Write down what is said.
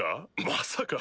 まさか。